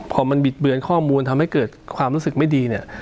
พอมันบิดเบือนข้อมูลทำให้เกิดความรู้สึกไม่ดีเนี่ย